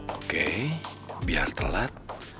oke biar telat